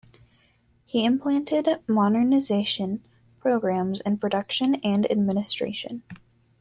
He implanted modernizatin programs in production and administration.